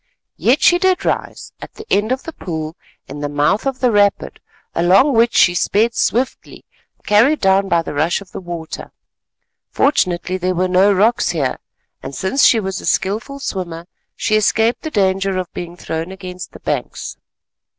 Yet she did rise, at the end of the pool in the mouth of the rapid, along which she sped swiftly, carried down by the rush of the water. Fortunately there were no rocks here; and, since she was a skilful swimmer, she escaped the danger of being thrown against the banks.